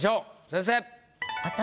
先生！